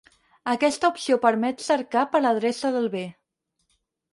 Aquesta opció permet cercar per l'adreça del bé.